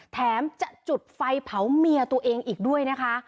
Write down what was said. แถมจะจุดไฟเผาเมียตัวเองอีกด้วยนะคะ